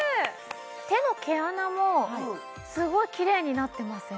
手の毛穴もすごいきれいになってません？